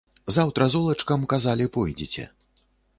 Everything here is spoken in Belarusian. Заўтра золачкам, казалі, пойдзеце.